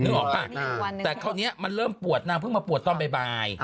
ออกป่ะแต่คราวนี้มันเริ่มปวดนางเพิ่งมาปวดตอนบ่าย